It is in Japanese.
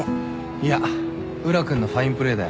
いや宇良君のファインプレーだよ。